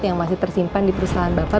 yang masih tersimpan di perusahaan bapak